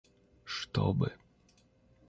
чтобы